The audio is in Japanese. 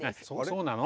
そうなの？